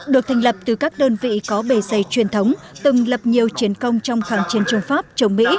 được thành lập từ các đơn vị có bề xây truyền thống từng lập nhiều chiến công trong khẳng chiến chống pháp chống mỹ